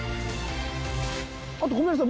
あとごめんなさい